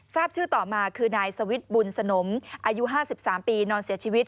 ทราบชื่อต่อมาคือนายสวิทย์บุญสนมอายุ๕๓ปีนอนเสียชีวิต